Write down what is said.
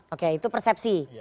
oke itu persepsi